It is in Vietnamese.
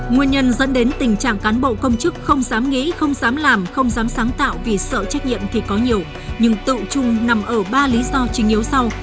nguyên nhân dẫn đến tình trạng cán bộ công chức không dám nghĩ không dám làm không dám sáng tạo vì sợ trách nhiệm thì có nhiều nhưng tự trung nằm ở ba lý do chính yếu sau